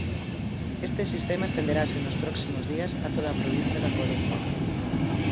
Este sistema estenderase nos próximos días a toda a provincia da Coruña.